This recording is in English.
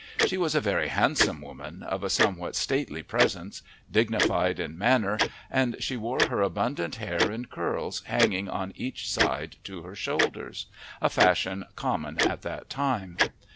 She was a very handsome woman, of a somewhat stately presence, dignified in manner, and she wore her abundant hair in curls hanging on each side to her shoulders a fashion common at that time.